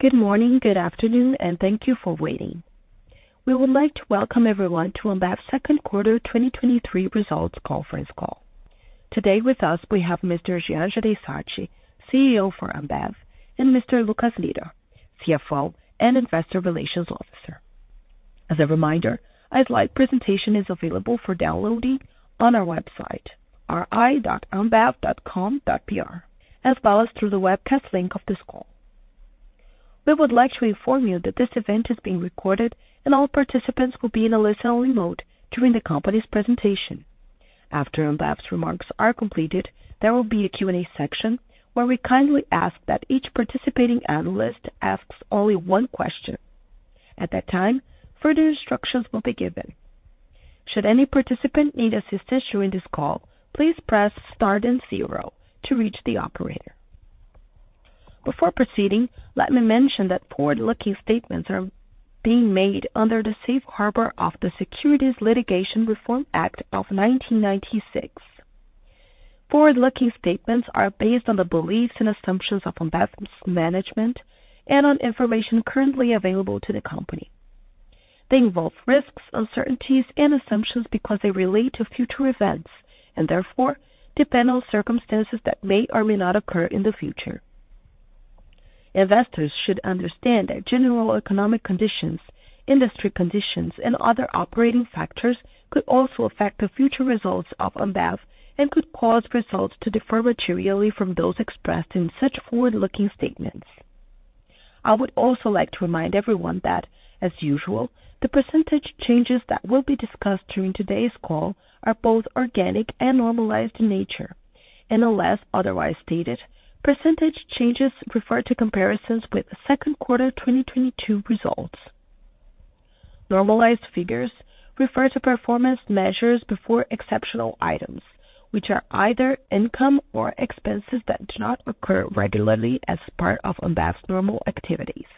Good morning, good afternoon, and thank you for waiting. We would like to welcome everyone to Ambev's second quarter 2023 results conference call. Today with us, we have Mr. Jean Jereissati Neto, CEO for Ambev, and Mr. Lucas Lira, CFO and Investor Relations Officer. As a reminder, a slide presentation is available for downloading on our website, ri.ambev.com.br, as well as through the webcast link of this call. We would like to inform you that this event is being recorded and all participants will be in a listen-only mode during the company's presentation. After Ambev's remarks are completed, there will be a Q&A section where we kindly ask that each participating analyst asks only one question. At that time, further instructions will be given. Should any participant need assistance during this call, please press star then zero to reach the operator. Before proceeding, let me mention that forward-looking statements are being made under the safe harbor of the Securities Litigation Reform Act of 1996. Forward-looking statements are based on the beliefs and assumptions of Ambev's management and on information currently available to the company. They involve risks, uncertainties, and assumptions because they relate to future events and therefore depend on circumstances that may or may not occur in the future. Investors should understand that general economic conditions, industry conditions, and other operating factors could also affect the future results of Ambev and could cause results to differ materially from those expressed in such forward-looking statements. I would also like to remind everyone that, as usual, the percentage changes that will be discussed during today's call are both organic and normalized in nature, and unless otherwise stated, percentage changes refer to comparisons with second quarter 2022 results. Normalized figures refer to performance measures before exceptional items, which are either income or expenses that do not occur regularly as part of Ambev's normal activities.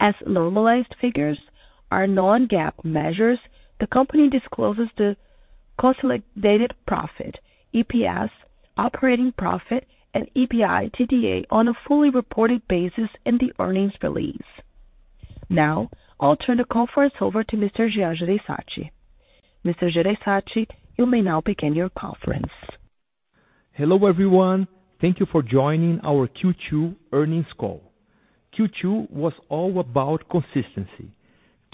As normalized figures are non-GAAP measures, the company discloses the consolidated profit, EPS, operating profit, and EBITDA on a fully reported basis in the earnings release. I'll turn the conference over to Mr. Jean Jereissati Neto. Mr. Jereissati Neto, you may now begin your conference. Hello, everyone. Thank you for joining our Q2 earnings call. Q2 was all about consistency.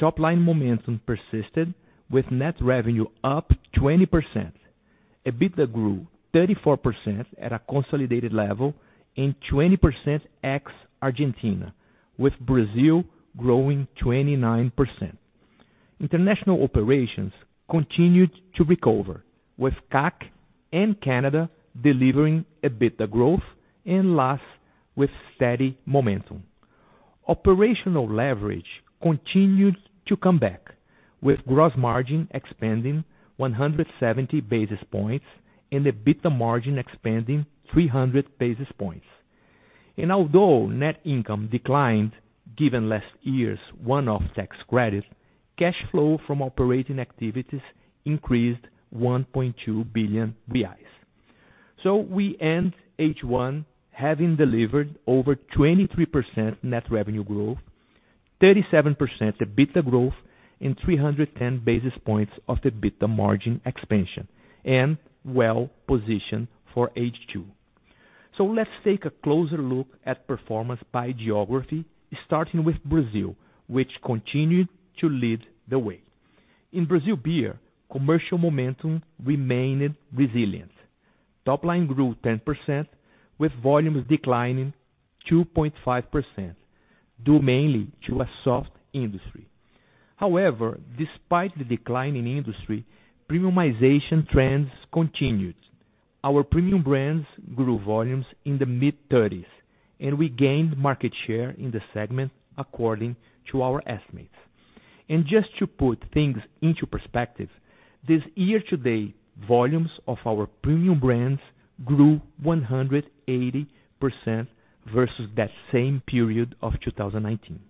Top-line momentum persisted, with net revenue up 20%. EBITDA grew 34% at a consolidated level and 20% ex Argentina, with Brazil growing 29%. International operations continued to recover, with CAC and Canada delivering EBITDA growth and LAS with steady momentum. Operational leverage continued to come back, with gross margin expanding 170 basis points and EBITDA margin expanding 300 basis points. Although net income declined, given last year's one-off tax credit, cash flow from operating activities increased 1.2 billion. We end H1 having delivered over 23% net revenue growth, 37% EBITDA growth, and 310 basis points of EBITDA margin expansion and well-positioned for H2. Let's take a closer look at performance by geography, starting with Brazil, which continued to lead the way. In Brazil beer, commercial momentum remained resilient. Topline grew 10%, with volumes declining 2.5%, due mainly to a soft industry. However, despite the decline in industry, premiumization trends continued. Our premium brands grew volumes in the mid-30s, and we gained market share in the segment, according to our estimates. Just to put things into perspective, this year-to-date, volumes of our premium brands grew 180% versus that same period of 2019.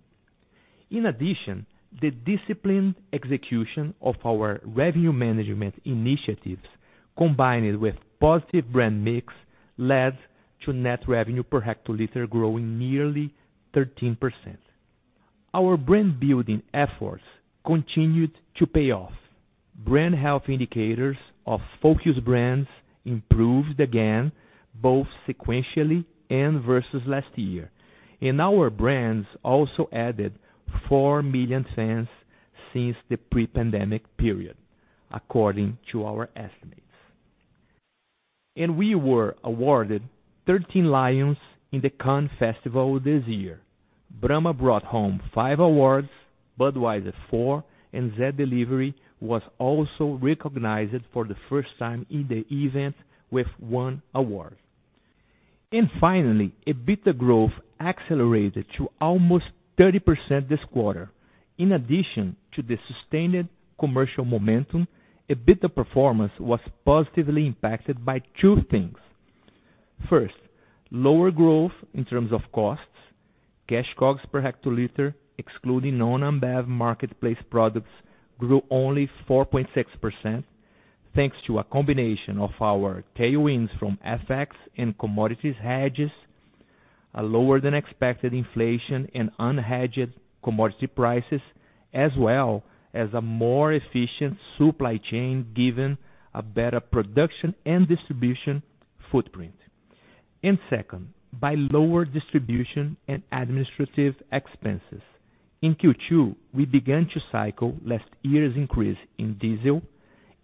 In addition, the disciplined execution of our revenue management initiatives, combined with positive brand mix, led to net revenue per hectoliter growing nearly 13%. Our brand-building efforts continued to pay off. Brand health indicators of focus brands improved again, both sequentially and versus last year, our brands also added 4 million cents since the pre-pandemic period, according to our estimates. We were awarded 13 Lions in the Cannes Festival this year. Brahma brought home five awards, Budweiser four, and Zé Delivery was also recognized for the first time in the event with one award. Finally, EBITDA growth accelerated to almost 30% this quarter. In addition to the sustained commercial momentum, EBITDA performance was positively impacted by two things. First, lower growth in terms of costs. Cash COGS per hectoliter, excluding non-Ambev marketplace products, grew only 4.6%. thanks to a combination of our tailwinds from FX and commodities hedges, a lower than expected inflation and unhedged commodity prices, as well as a more efficient supply chain, given a better production and distribution footprint. Second, by lower distribution and administrative expenses. In Q2, we began to cycle last year's increase in diesel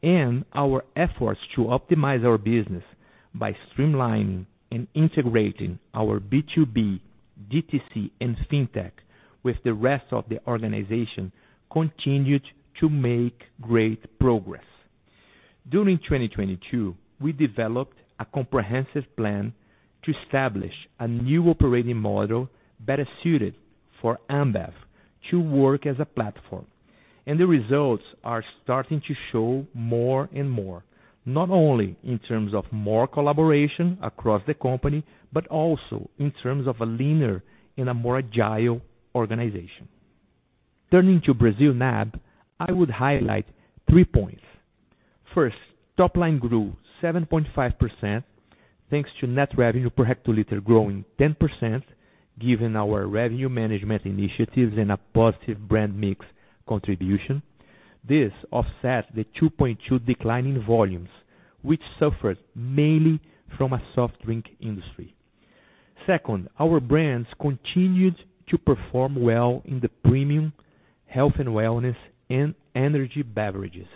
and our efforts to optimize our business by streamlining and integrating our B2B, DTC, and Fintech with the rest of the organization, continued to make great progress. During 2022, we developed a comprehensive plan to establish a new operating model better suited for Ambev to work as a platform. The results are starting to show more and more, not only in terms of more collaboration across the company, but also in terms of a leaner and a more agile organization. Turning to Brazil NAB, I would highlight three points. First, top line grew 7.5%, thanks to net revenue per hectoliter, growing 10%, given our revenue management initiatives and a positive brand mix contribution. This offsets the 2.2 decline in volumes, which suffered mainly from a soft drink industry. Second, our brands continued to perform well in the premium, health and wellness, and energy beverages,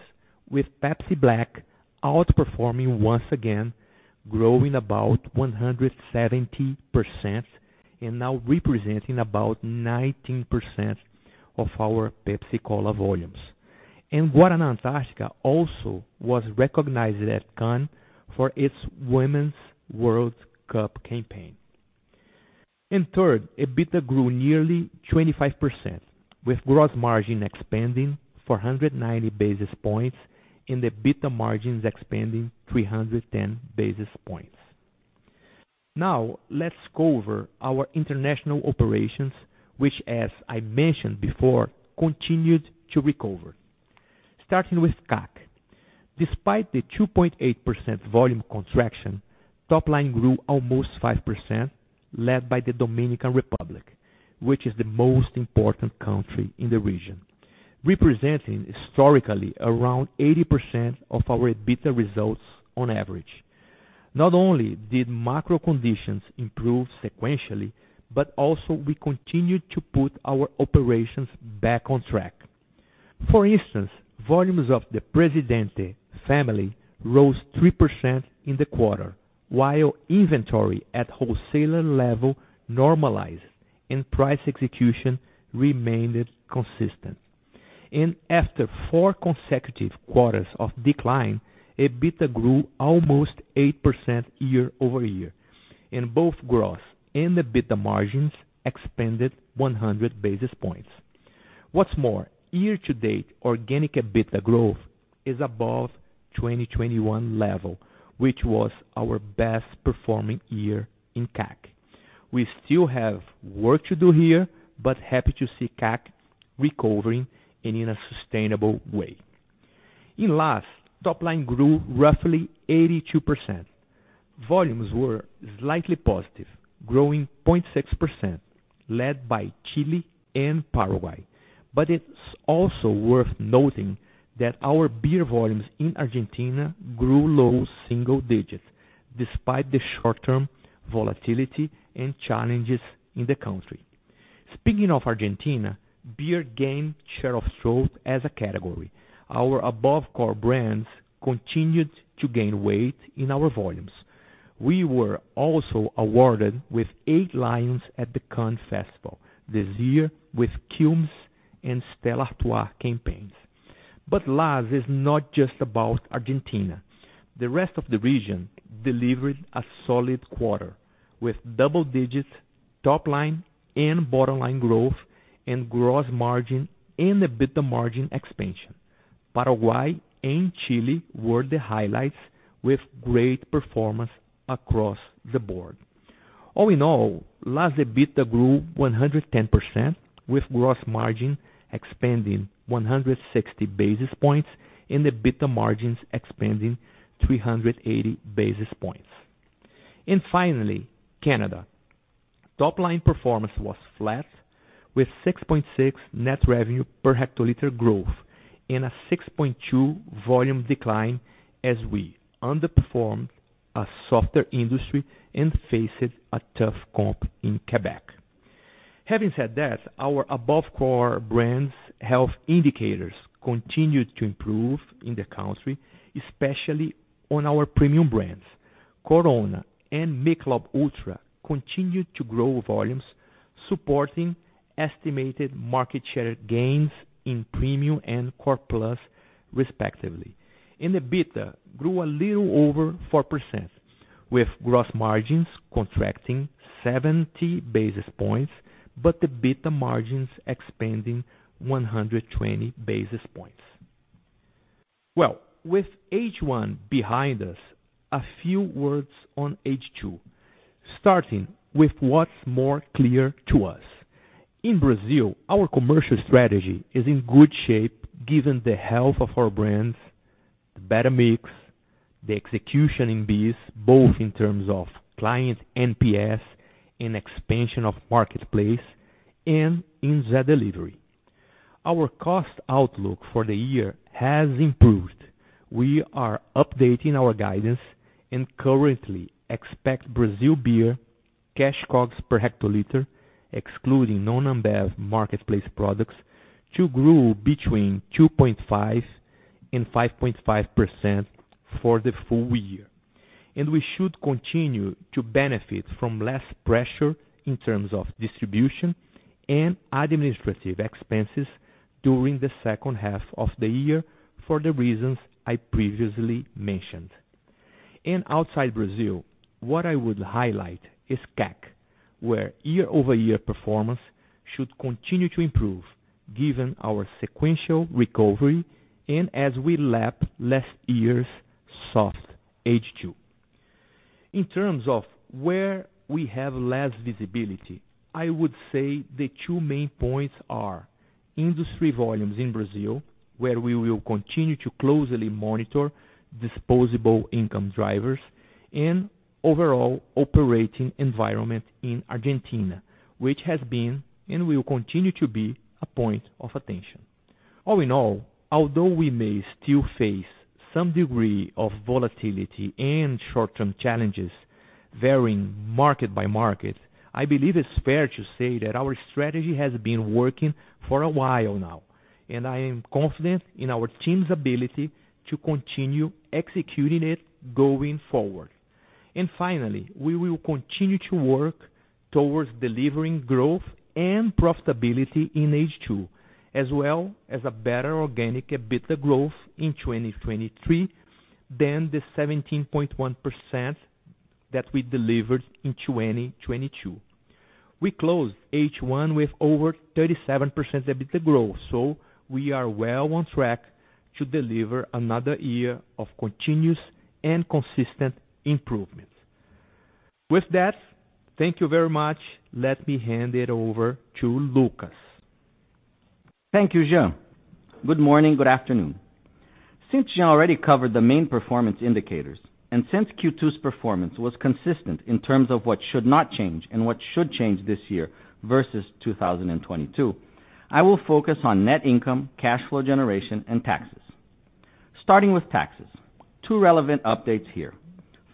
with Pepsi Black outperforming once again, growing about 170% and now representing about 19% of our Pepsi-Cola volumes. Guaraná Antarctica also was recognized at Cannes for its Women's World Cup campaign. Third, EBITDA grew nearly 25%, with gross margin expanding 490 basis points and the EBITDA margins expanding 310 basis points. Now, let's cover our international operations, which, as I mentioned before, continued to recover. Starting with CAC. Despite the 2.8% volume contraction, top line grew almost 5%, led by the Dominican Republic, which is the most important country in the region, representing historically around 80% of our EBITDA results on average. Not only did macro conditions improve sequentially, but also we continued to put our operations back on track. For instance, volumes of the Presidente family rose 3% in the quarter, while inventory at wholesaler level normalized and price execution remained consistent. After four consecutive quarters of decline, EBITDA grew almost 8% year-over-year, and both growth and EBITDA margins expanded 100 basis points. What's more, year to date, organic EBITDA growth is above 2021 level, which was our best performing year in CAC. We still have work to do here, but happy to see CAC recovering and in a sustainable way. In LAS, top line grew roughly 82%. Volumes were slightly positive, growing 0.6%, led by Chile and Paraguay. It's also worth noting that our beer volumes in Argentina grew low single digits, despite the short-term volatility and challenges in the country. Speaking of Argentina, beer gained share of store as a category. Our above core brands continued to gain weight in our volumes. We were also awarded with eight Lions at the Cannes Festival this year with Quilmes and Stella Artois campaigns. LAS is not just about Argentina. The rest of the region delivered a solid quarter, with double digits, top line and bottom line growth, and gross margin, and EBITDA margin expansion. Paraguay and Chile were the highlights, with great performance across the board. All in all, LAS EBITDA grew 110%, with gross margin expanding 160 basis points and EBITDA margins expanding 380 basis points. Finally, Canada. Top line performance was flat, with 6.6 net revenue per hectoliter growth and a 6.2 volume decline as we underperformed a softer industry and faced a tough comp in Quebec. Having said that, our above core brands' health indicators continued to improve in the country, especially on our premium brands. Corona and Michelob ULTRA continued to grow volumes, supporting estimated market share gains in premium and core plus, respectively, and EBITDA grew a little over 4%, with gross margins contracting 70 basis points, but the EBITDA margins expanding 120 basis points. Well, with H1 behind us, a few words on H2. Starting with what's more clear to us. In Brazil, our commercial strategy is in good shape given the health of our brands, the better mix, the execution in beers, both in terms of client NPS and expansion of marketplace, and in Zé Delivery. Our cost outlook for the year has improved. We are updating our guidance and currently expect Brazil beer, cash COGS per hectoliter, excluding non-Ambev marketplace products, to grow between 2.5% and 5.5% for the full year. We should continue to benefit from less pressure in terms of distribution and administrative expenses during the second half of the year for the reasons I previously mentioned. Outside Brazil, what I would highlight is CAC, where year-over-year performance should continue to improve, given our sequential recovery and as we lap last year's soft H2. In terms of where we have less visibility, I would say the two main points are: industry volumes in Brazil, where we will continue to closely monitor disposable income drivers, and overall operating environment in Argentina, which has been, and will continue to be, a point of attention. All in all, although we may still face some degree of volatility and short-term challenges, varying market by market, I believe it's fair to say that our strategy has been working for a while now, and I am confident in our team's ability to continue executing it going forward. Finally, we will continue to work towards delivering growth and profitability in H2, as well as a better organic EBITDA growth in 2023 than the 17.1% that we delivered in 2022. We closed H1 with over 37% EBITDA growth, so we are well on track to deliver another year of continuous and consistent improvement. With that, thank you very much. Let me hand it over to Lucas. Thank you, Jean. Good morning, good afternoon. Since Jean already covered the main performance indicators, and since Q2's performance was consistent in terms of what should not change and what should change this year versus 2022, I will focus on net income, cash flow generation, and taxes. Starting with taxes, two relevant updates here.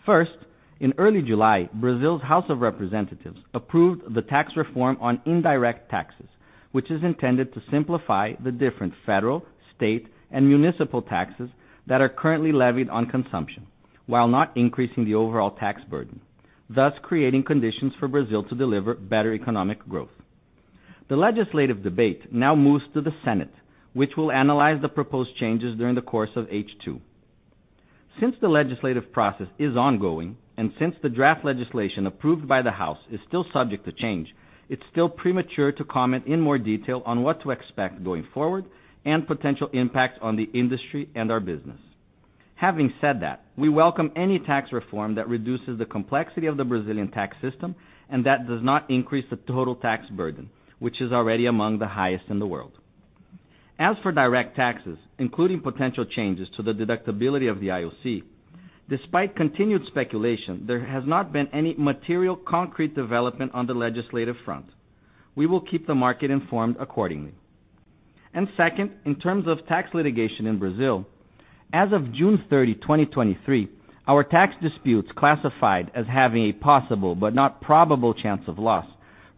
First, in early July, Brazil's House of Representatives approved the tax reform on indirect taxes, which is intended to simplify the different federal, state, and municipal taxes that are currently levied on consumption, while not increasing the overall tax burden, thus creating conditions for Brazil to deliver better economic growth. The legislative debate now moves to the Senate, which will analyze the proposed changes during the course of H2. Since the legislative process is ongoing, and since the draft legislation approved by the House is still subject to change, it's still premature to comment in more detail on what to expect going forward and potential impacts on the industry and our business. Having said that, we welcome any tax reform that reduces the complexity of the Brazilian tax system, and that does not increase the total tax burden, which is already among the highest in the world. As for direct taxes, including potential changes to the deductibility of the IOC, despite continued speculation, there has not been any material concrete development on the legislative front. We will keep the market informed accordingly. Second, in terms of tax litigation in Brazil, as of June 30, 2023, our tax disputes classified as having a possible but not probable chance of loss,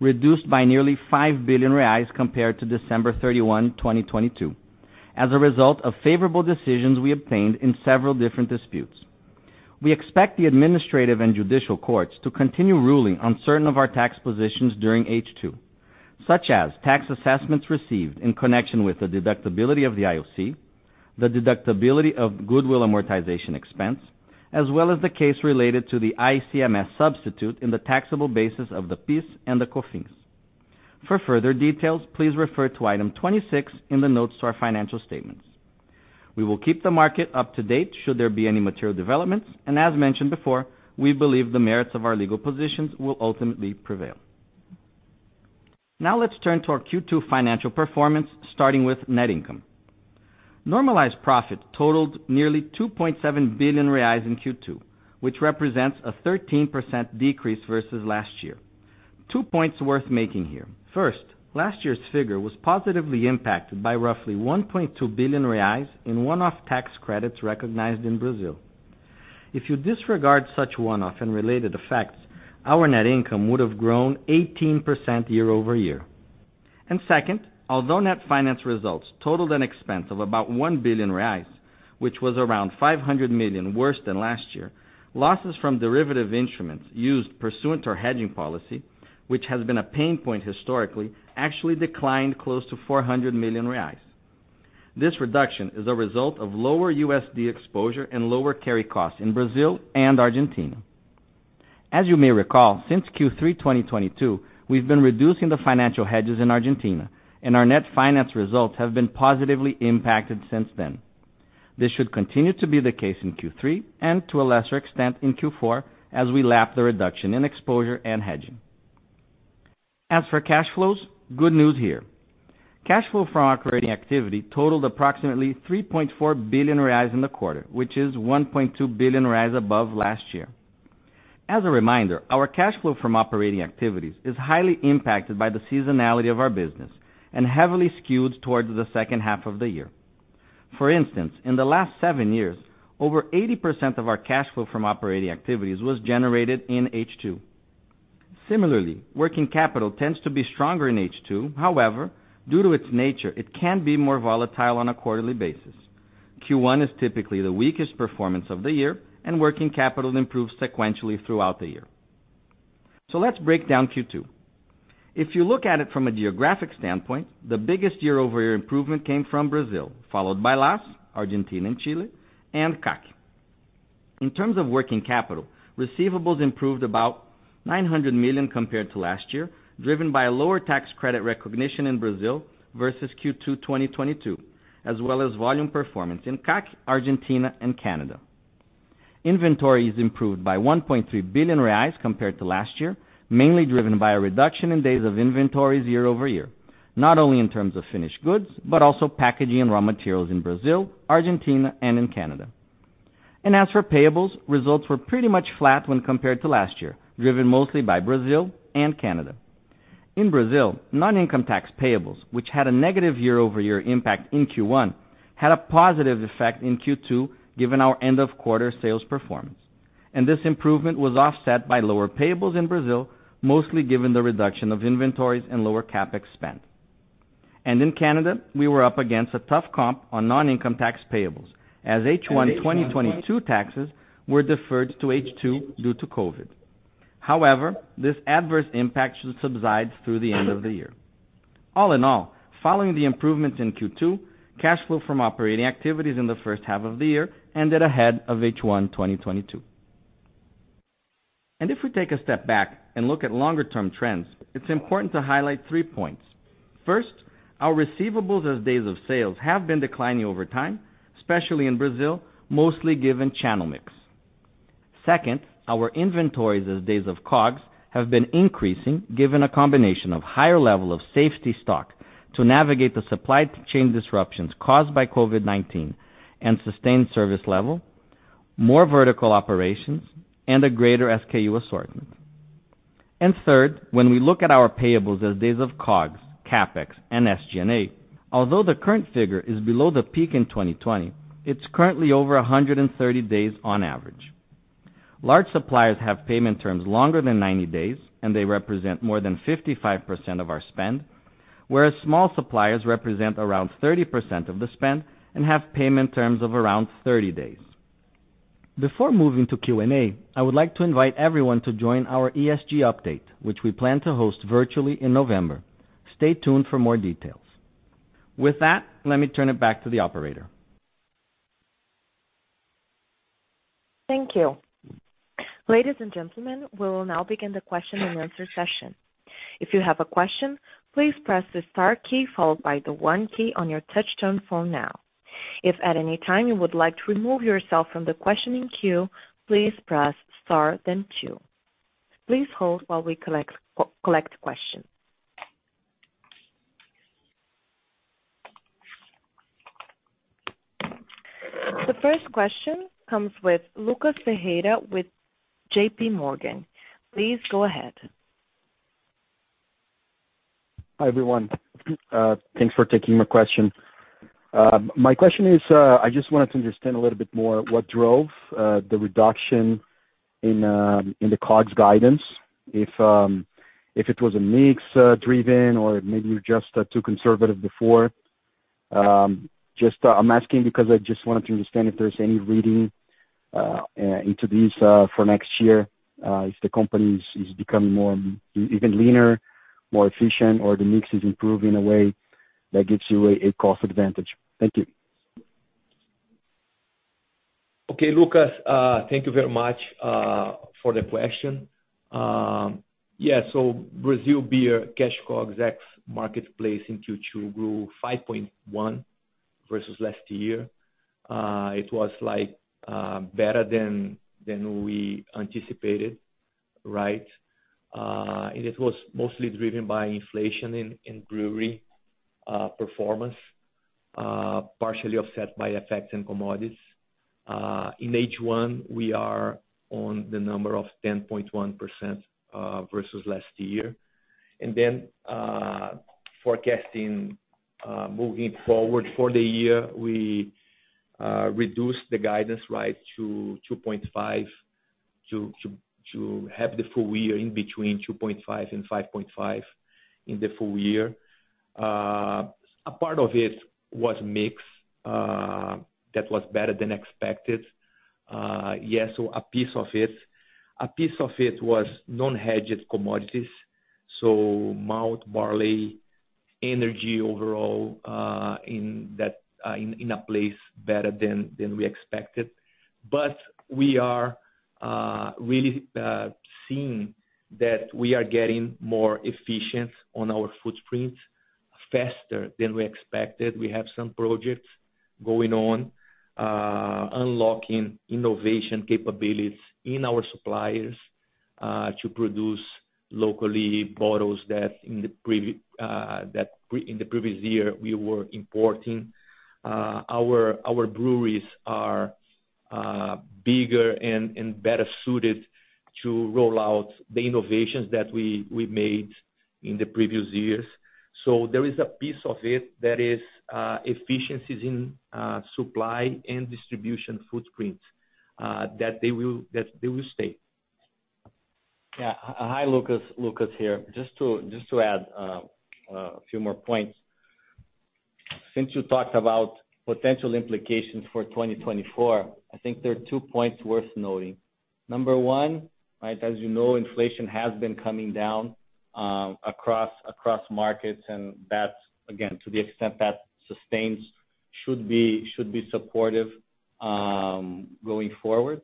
reduced by nearly 5 billion reais compared to December 31, 2022, as a result of favorable decisions we obtained in several different disputes. We expect the administrative and judicial courts to continue ruling on certain of our tax positions during H2, such as tax assessments received in connection with the deductibility of the IOC, the deductibility of goodwill amortization expense, as well as the case related to the ICMS substitute in the taxable basis of the PIS and the COFINS. For further details, please refer to item 26 in the notes to our financial statements. We will keep the market up to date should there be any material developments, and as mentioned before, we believe the merits of our legal positions will ultimately prevail. Now let's turn to our Q2 financial performance, starting with net income. Normalized profit totaled nearly 2.7 billion reais in Q2, which represents a 13% decrease versus last year. 2 points worth making here. First, last year's figure was positively impacted by roughly 1.2 billion reais in one-off tax credits recognized in Brazil. If you disregard such one-off and related effects, our net income would have grown 18% year-over-year. Second, although net finance results totaled an expense of about 1 billion reais, which was around 500 million worse than last year, losses from derivative instruments used pursuant to our hedging policy, which has been a pain point historically, actually declined close to 400 million reais. This reduction is a result of lower USD exposure and lower carry costs in Brazil and Argentina. As you may recall, since Q3 2022, we've been reducing the financial hedges in Argentina, and our net finance results have been positively impacted since then. This should continue to be the case in Q3, and to a lesser extent, in Q4, as we lap the reduction in exposure and hedging. As for cash flows, good news here. Cash flow from operating activity totaled approximately 3.4 billion reais in the quarter, which is 1.2 billion reais above last year. As a reminder, our cash flow from operating activities is highly impacted by the seasonality of our business, and heavily skewed towards the second half of the year. For instance, in the last seven years, over 80% of our cash flow from operating activities was generated in H2. Similarly, working capital tends to be stronger in H2. However, due to its nature, it can be more volatile on a quarterly basis. Q1 is typically the weakest performance of the year, and working capital improves sequentially throughout the year. Let's break down Q2. If you look at it from a geographic standpoint, the biggest year-over-year improvement came from Brazil, followed by LAS, Argentina and Chile, and CAC. In terms of working capital, receivables improved about 900 million compared to last year, driven by a lower tax credit recognition in Brazil versus Q2 2022, as well as volume performance in CAC, Argentina, and Canada. Inventories improved by 1.3 billion reais compared to last year, mainly driven by a reduction in days of inventories year-over-year, not only in terms of finished goods, but also packaging and raw materials in Brazil, Argentina, and in Canada. As for payables, results were pretty much flat when compared to last year, driven mostly by Brazil and Canada. In Brazil, non-income tax payables, which had a negative year-over-year impact in Q1, had a positive effect in Q2, given our end of quarter sales performance, and this improvement was offset by lower payables in Brazil, mostly given the reduction of inventories and lower CapEx spend. In Canada, we were up against a tough comp on non-income tax payables, as H1 2022 taxes were deferred to H2 due to COVID. However, this adverse impact should subside through the end of the year. All in all, following the improvements in Q2, cash flow from operating activities in the first half of the year ended ahead of H1 2022. If we take a step back and look at longer term trends, it's important to highlight 3 points. First, our receivables as days of sales have been declining over time, especially in Brazil, mostly given channel mix. Second, our inventories as days of COGS have been increasing, given a combination of higher level of safety stock to navigate the supply chain disruptions caused by COVID-19 and sustained service level, more vertical operations, and a greater SKU assortment. Third, when we look at our payables as days of COGS, CapEx, and SG&A, although the current figure is below the peak in 2020, it's currently over 130 days on average. Large suppliers have payment terms longer than 90 days, and they represent more than 55% of our spend, whereas small suppliers represent around 30% of the spend and have payment terms of around 30 days. Before moving to Q&A, I would like to invite everyone to join our ESG update, which we plan to host virtually in November. Stay tuned for more details. With that, let me turn it back to the operator. Thank you. Ladies and gentlemen, we will now begin the question and answer session. If you have a question, please press the star key followed by the 1 key on your touchtone phone now. If at any time you would like to remove yourself from the questioning queue, please press star, then 2. Please hold while we collect questions. The first question comes with Lucas Ferreira with JPMorgan. Please go ahead. Hi, everyone, thanks for taking my question. My question is, I just wanted to understand a little bit more what drove the reduction in the COGS guidance, if it was a mix driven or maybe you're just too conservative before? Just, I'm asking because I just wanted to understand if there's any reading into these for next year, if the company is becoming more, even leaner, more efficient, or the mix is improving in a way that gives you a cost advantage. Thank you. Lucas, thank you very much for the question. Brazil beer, cash COGS x marketplace in Q2 grew 5.1% versus last year. It was like better than we anticipated, right? And it was mostly driven by inflation in brewery performance, partially offset by effects in commodities. In H1, we are on the number of 10.1% versus last year. Forecasting moving forward for the year, we reduced the guidance right to 2.5%, to have the full year in between 2.5% and 5.5% in the full year. A part of it was mix that was better than expected. Yes, so a piece of it. A piece of it was non-hedged commodities, so malt, barley, energy overall, in that, in a place better than we expected. We are-... really, seeing that we are getting more efficient on our footprint faster than we expected. We have some projects going on, unlocking innovation capabilities in our suppliers, to produce locally bottles that in the previous year, we were importing. Our breweries are, bigger and better suited to roll out the innovations that we, we made in the previous years. There is a piece of it that is, efficiencies in, supply and distribution footprint, that they will stay. Yeah. Hi, Lucas. Lucas here. Just to add a few more points. Since you talked about potential implications for 2024, I think there are two points worth noting. Number one, right, as you know, inflation has been coming down across markets, that's again, to the extent that sustains should be supportive going forward.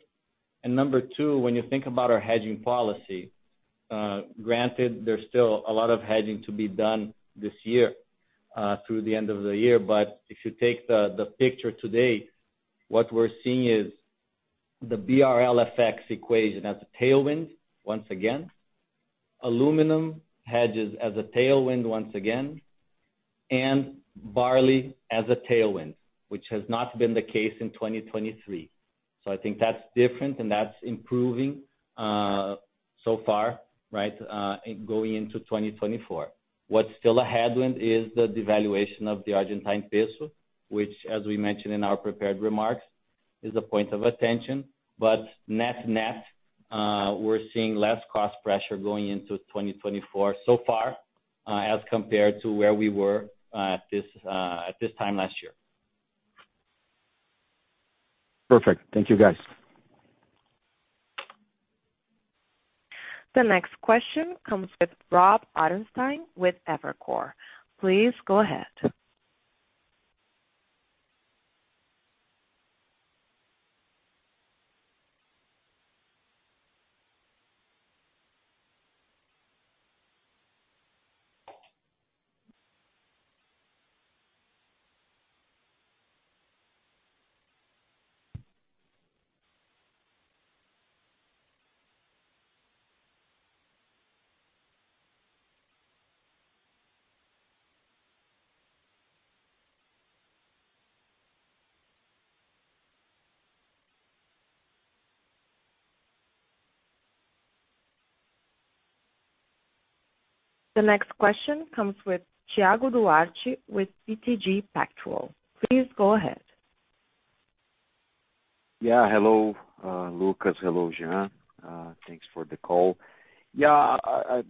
Number two, when you think about our hedging policy, granted, there's still a lot of hedging to be done this year through the end of the year. If you take the picture today, what we're seeing is the BRL FX equation as a tailwind, once again, aluminum hedges as a tailwind once again, and barley as a tailwind, which has not been the case in 2023. I think that's different, and that's improving so far, right, going into 2024. What's still a headwind is the devaluation of the Argentine peso, which, as we mentioned in our prepared remarks, is a point of attention. Net, net, we're seeing less cost pressure going into 2024 so far, as compared to where we were at this time last year. Perfect. Thank you, guys. The next question comes with Robert Ottenstein with Evercore. Please go ahead. The next question comes with Thiago Duarte with BTG Pactual. Please go ahead. Yeah, hello, Lucas. Hello, Jean. Thanks for the call. Yeah,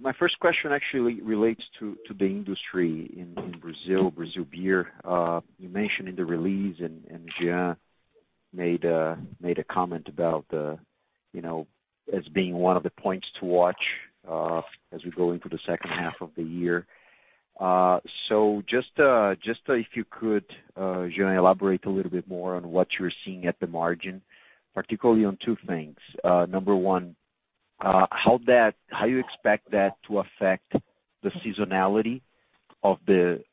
my first question actually relates to the industry in Brazil, Brazil beer. You mentioned in the release and Jean made a comment about the, you know, as being one of the points to watch as we go into the second half of the year. Just if you could, Jean, elaborate a little bit more on what you're seeing at the margin, particularly on two things. Number one, how that-- how you expect that to affect the seasonality of the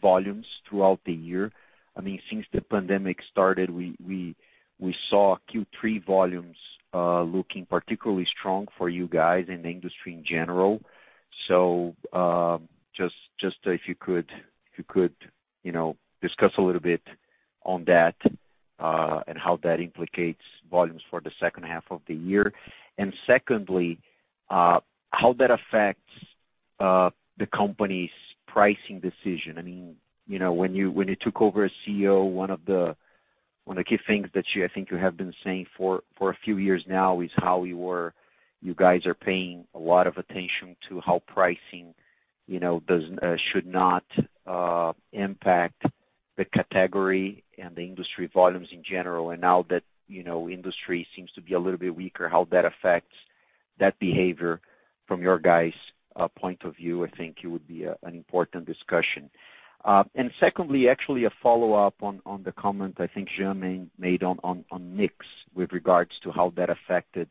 volumes throughout the year? I mean, since the pandemic started, we, we, we saw Q3 volumes looking particularly strong for you guys in the industry in general. just, just if you could, if you could, you know, discuss a little bit on that, and how that implicates volumes for the second half of the year. Secondly, how that affects the company's pricing decision. I mean, you know, when you, when you took over as CEO, one of the, one of the key things that you, I think you have been saying for, for a few years now is how you were-- you guys are paying a lot of attention to how pricing, you know, does, should not, impact the category and the industry volumes in general. Now that, you know, industry seems to be a little bit weaker, how that affects that behavior from your guys', point of view, I think it would be an important discussion. Secondly, actually, a follow-up on, on the comment I think Jean made, made on, on, on mix with regards to how that affected,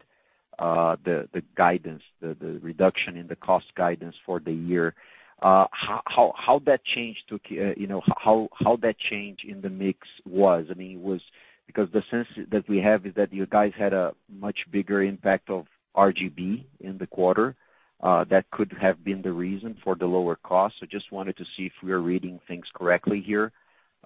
the, the guidance, the, the reduction in the cost guidance for the year. How, how, how that change took, you know, how, how that change in the mix was? The sense that we have is that you guys had a much bigger impact of RGB in the quarter, that could have been the reason for the lower cost. Just wanted to see if we are reading things correctly here,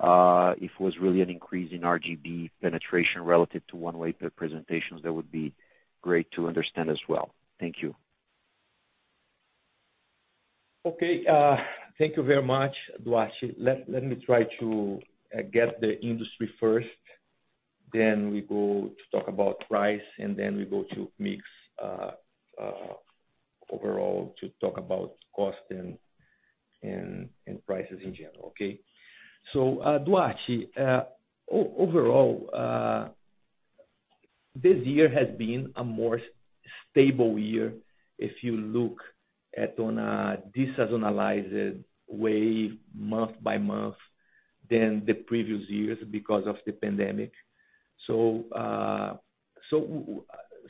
if it was really an increase in RGB penetration relative to one-way presentations, that would be great to understand as well. Thank you. Okay, thank you very much, Duarte. Let, let me try to get the industry first, then we go to talk about price, and then we go to mix, overall, to talk about cost and, and, and prices in general, okay? Duarte, overall, this year has been a stable year, if you look at on a deseasonalized way, month by month, than the previous years because of the pandemic.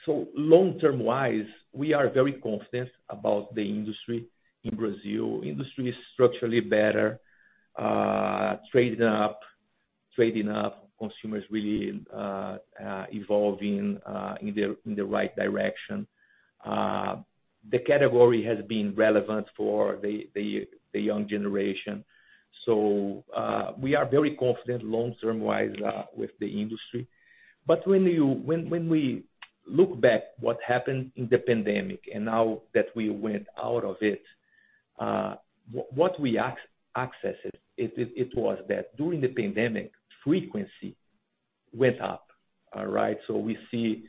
So long-term wise, we are very confident about the industry in Brazil. Industry is structurally better, trading up, trading up, consumers really, evolving in the right direction. The category has been relevant for the, the, the young generation. We are very confident long-term wise, with the industry. When, when we look back what happened in the pandemic and now that we went out of it, what we accessed it was that during the pandemic, frequency went up. All right? We see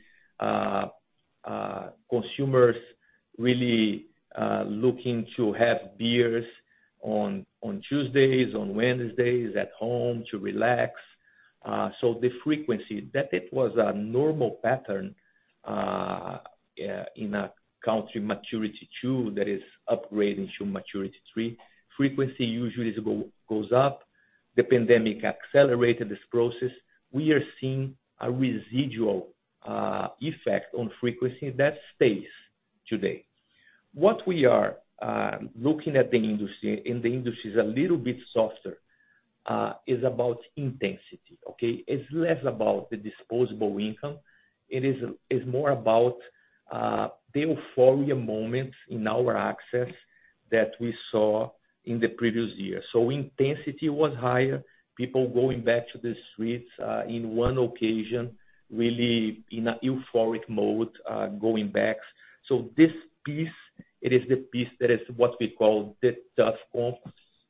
consumers really looking to have beers on Tuesdays, on Wednesdays, at home, to relax. The frequency, that it was a normal pattern, in a country maturity two, that is upgrading to maturity three. Frequency usually goes up. The pandemic accelerated this process. We are seeing a residual effect on frequency that stays today. What we are looking at the industry, the industry is a little bit softer, is about intensity, okay? It's less about the disposable income, it is, it's more about the euphoria moments in our access that we saw in the previous year. Intensity was higher, people going back to the suites, in one occasion, really in a euphoric mode, going back. This piece, it is the piece that is what we call the dust form,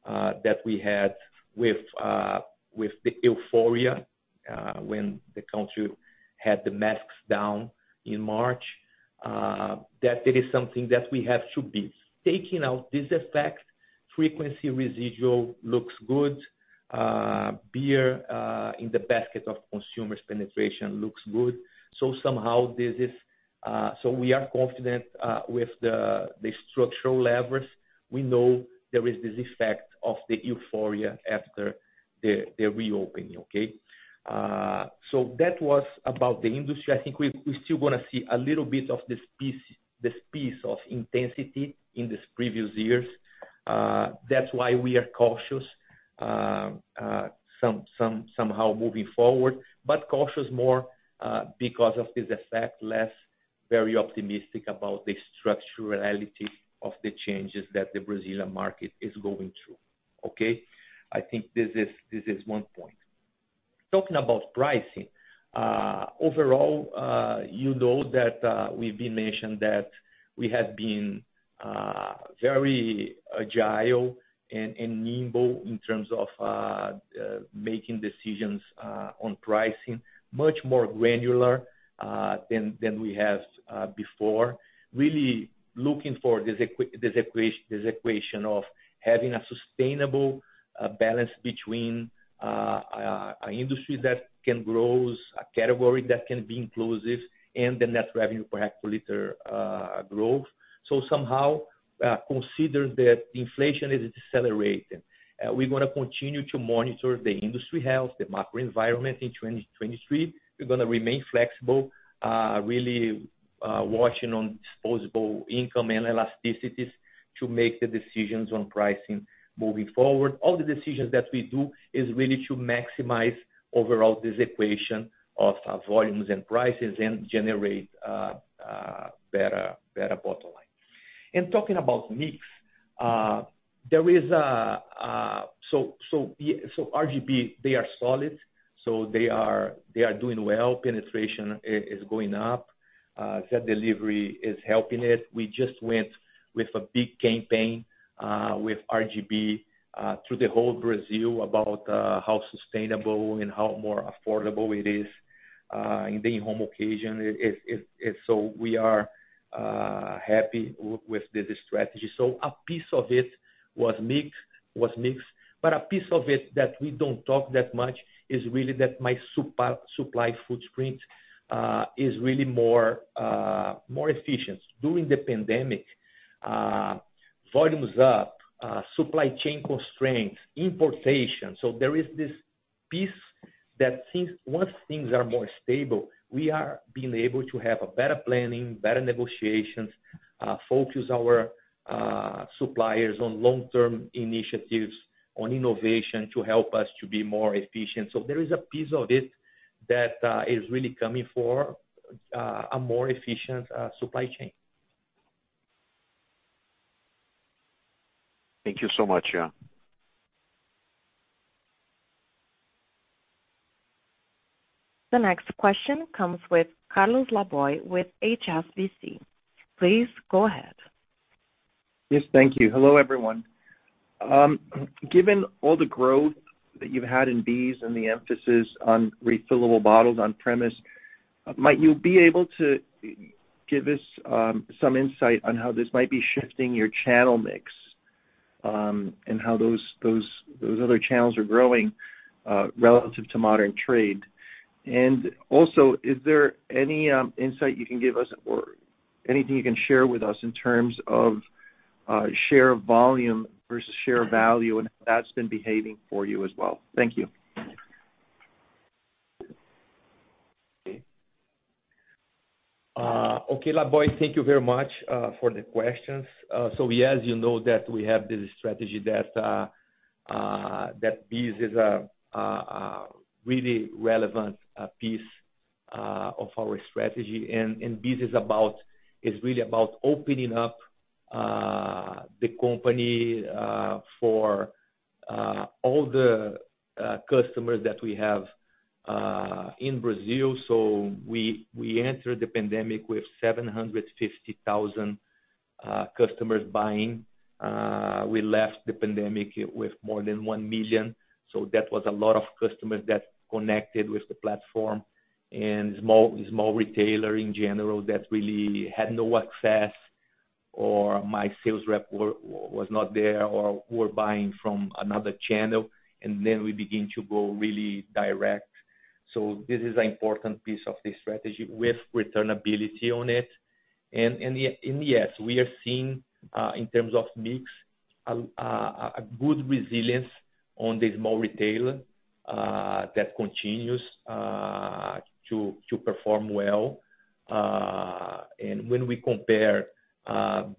that we had with, with the euphoria, when the country had the masks down in March. That it is something that we have to be taking out. This effect, frequency, residual looks good. Beer, in the basket of consumers' penetration looks good. Somehow this is. We are confident with the structural levers. We know there is this effect of the euphoria after the reopening, okay. That was about the industry. I think we still gonna see a little bit of this piece, this piece of intensity in this previous years. That's why we are cautious, somehow moving forward, but cautious more because of this effect, less very optimistic about the structural reality of the changes that the Brazilian market is going through, okay? I think this is one point. Talking about pricing, overall, you know that we've been mentioned that we have been very agile and nimble in terms of making decisions on pricing. Much more granular than we have before. Really looking for this equation of having a sustainable balance between a industry that can grow, a category that can be inclusive, and the net revenue per hectoliter growth. Somehow, consider that inflation is decelerating. We're gonna continue to monitor the industry health, the macro environment in 2023. We're gonna remain flexible, really watching on disposable income and elasticities to make the decisions on pricing moving forward. All the decisions that we do is really to maximize overall this equation of volumes and prices, and generate better, better bottom line. Talking about mix, RGB, they are solid, so they are, they are doing well. Penetration is, is going up. That delivery is helping it. We just went with a big campaign with RGB through the whole Brazil, about how sustainable and how more affordable it is in the in-home occasion. We are happy with this strategy. A piece of it was mixed, was mixed, but a piece of it that we don't talk that much, is really that my supply footprint is really more, more efficient. During the pandemic, volumes up, supply chain constraints, importation. There is this piece that once things are more stable, we are being able to have a better planning, better negotiations, focus our suppliers on long-term initiatives, on innovation to help us to be more efficient. There is a piece of it that is really coming for a more efficient supply chain. Thank you so much, yeah. The next question comes with Carlos Laboy, with HSBC. Please go ahead. Yes, thank you. Hello, everyone. Given all the growth that you've had in BEES and the emphasis on refillable bottles on premise, might you be able to give us, some insight on how this might be shifting your channel mix? ... and how those, those, those other channels are growing relative to modern trade. Also, is there any insight you can give us or anything you can share with us in terms of share volume versus share value, and how that's been behaving for you as well? Thank you. Okay, Laboy, thank you very much for the questions. Yes, you know that we have this strategy that this is a really relevant piece of our strategy. This is about is really about opening up the company for all the customers that we have in Brazil. We entered the pandemic with 750,000 customers buying. We left the pandemic with more than 1 million, so that was a lot of customers that connected with the platform and small, small retailer in general that really had no access, or my sales rep was not there or were buying from another channel, and then we begin to go really direct. This is an important piece of the strategy with returnability on it. Yes, we are seeing, in terms of mix, a good resilience on the small retailer, that continues to perform well. When we compare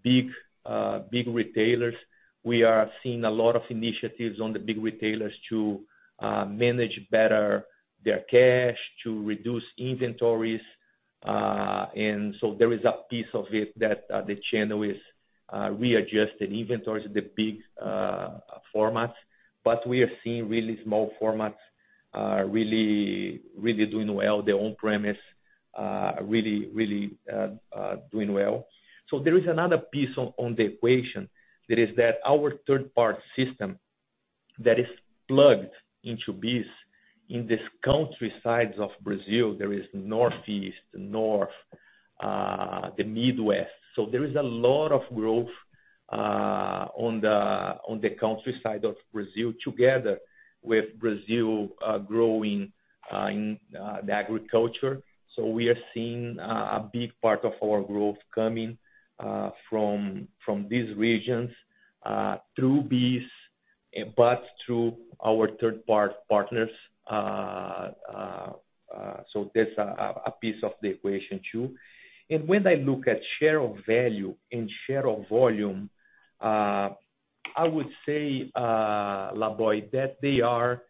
big retailers, we are seeing a lot of initiatives on the big retailers to manage better their cash, to reduce inventories. There is a piece of it that the channel is readjusting inventories, the big formats. We are seeing really small formats, really, really doing well. The on-premise, really, really doing well. There is another piece on the equation, that is that our third-party system that is plugged into this, in this country sides of Brazil, there is Northeast, North, the Midwest. There is a lot of growth on the countryside of Brazil, together with Brazil growing in the agriculture. We are seeing a big part of our growth coming from these regions, through these, but through our third-party partners. That's a piece of the equation too. When I look at share of value and share of volume, I would say, Laboy, that they are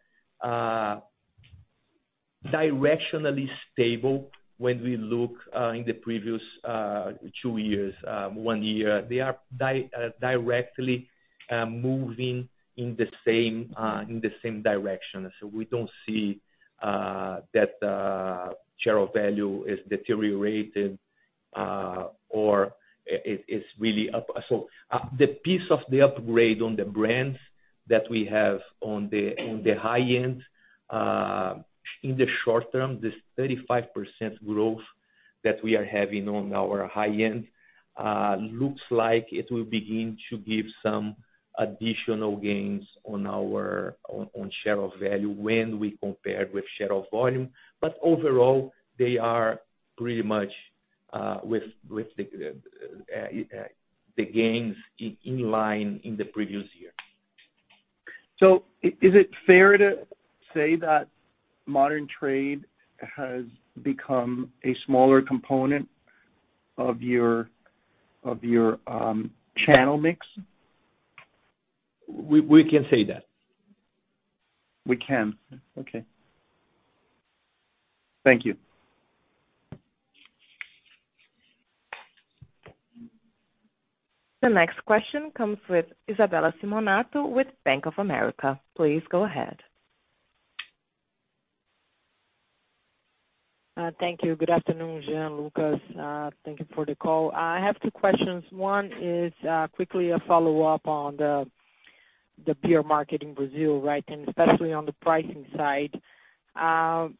directionally stable when we look in the previous two years, one year. They are directly moving in the same in the same direction. We don't see that share of value is deteriorated or it's really up. The piece of the upgrade on the brands that we have on the high end, in the short term, this 35% growth that we are having on our high end, looks like it will begin to give some additional gains on our share of value when we compare with share of volume. Overall, they are pretty much with the gains in line in the previous year. Is it fair to say that modern trade has become a smaller component of your, of your channel mix? We, we can say that. We can. Okay. Thank you. The next question comes with Isabella Simonato with Bank of America. Please go ahead. Thank you. Good afternoon, Jean, Lucas. Thank you for the call. I have two questions. One is, quickly a follow-up on the beer market in Brazil, right? Especially on the pricing side. Are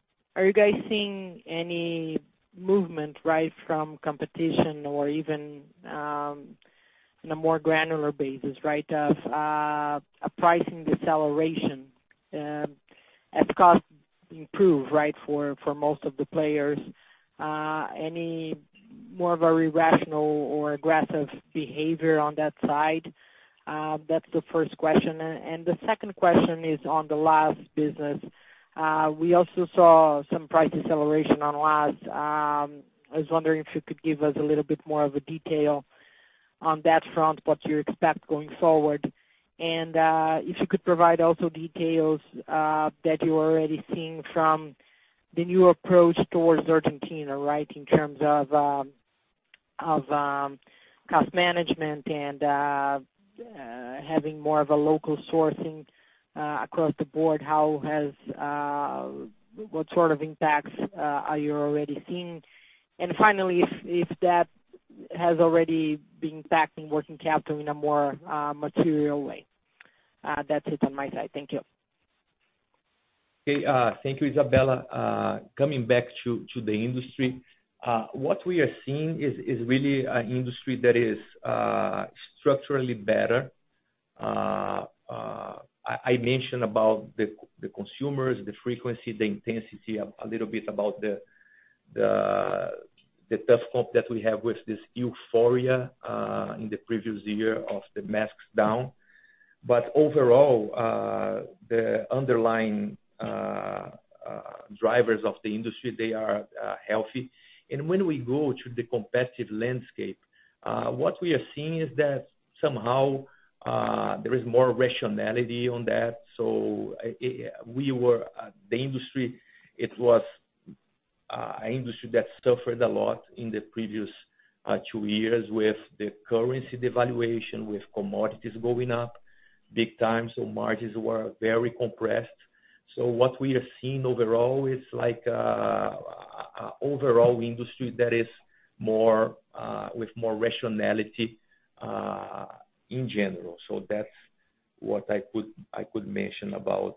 you guys seeing any movement, right, from competition or even on a more granular basis, right, of a pricing deceleration, as costs improve, right, for most of the players? Any more of an irrational or aggressive behavior on that side? That's the first question. The second question is on the LAS business. We also saw some price deceleration on LAS. I was wondering if you could give us a little bit more of a detail on that front, what you expect going forward. If you could provide also details that you are already seeing from the new approach towards Argentina, right? In terms of cost management and having more of a local sourcing across the board, What sort of impacts are you already seeing? Finally, if that has already been impacting working capital in a more material way? That's it on my side. Thank you.... Okay, thank you, Isabella. Coming back to, to the industry, what we are seeing is, is really an industry that is structurally better. I, I mentioned about the, the consumers, the frequency, the intensity, a little bit about the, the, the tough comp that we have with this euphoria in the previous year of the masks down. Overall, the underlying drivers of the industry, they are healthy. When we go to the competitive landscape, what we are seeing is that somehow, there is more rationality on that. The industry, it was an industry that suffered a lot in the previous two years with the currency devaluation, with commodities going up big time, so margins were very compressed. What we have seen overall is like, a overall industry that is more, with more rationality, in general. That's what I could, I could mention about,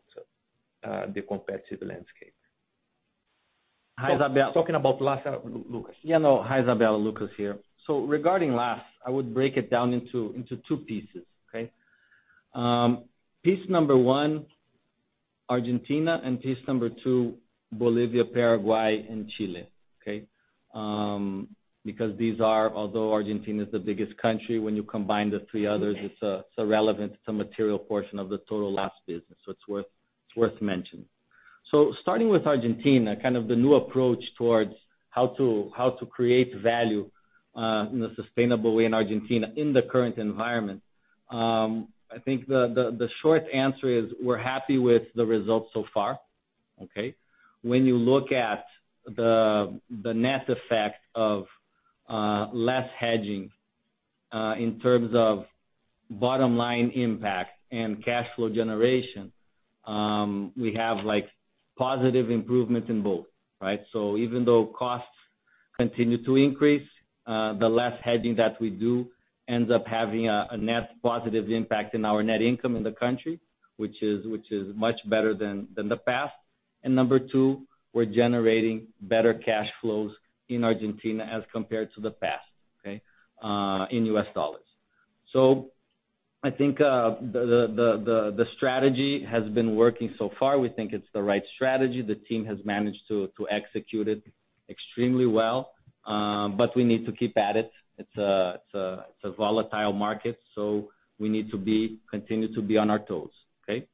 the competitive landscape. Hi, Isabella. Talking about last, Lucas. Yeah, hi, Isabella, Lucas here. Regarding LAS, I would break it down into two pieces, okay? Piece number one, Argentina, and piece number two, Bolivia, Paraguay, and Chile, okay? Although Argentina is the biggest country, when you combine the three others, it's relevant to material portion of the total LAS business, so it's worth, it's worth mentioning. Starting with Argentina, kind of the new approach towards how to, how to create value in a sustainable way in Argentina, in the current environment, I think the short answer is we're happy with the results so far, okay? When you look at the net effect of less hedging in terms of bottom line impact and cash flow generation, we have, like, positive improvements in both, right? Even though costs continue to increase, the less hedging that we do ends up having a net positive impact in our net income in the country, which is much better than the past. Number two, we're generating better cash flows in Argentina as compared to the past, okay, in U.S. dollars. I think the strategy has been working so far. We think it's the right strategy. The team has managed to execute it extremely well, but we need to keep at it. It's a volatile market, so we need to continue to be on our toes, okay?